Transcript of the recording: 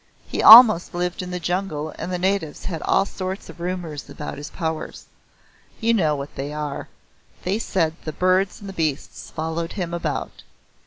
He almost lived in the jungle and the natives had all sorts of rumours about his powers. You know what they are. They said the birds and beasts followed him about.